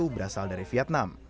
berasal dari vietnam